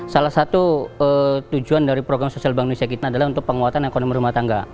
salah satu tujuan dari program sosial bank indonesia kita adalah untuk penguatan ekonomi rumah tangga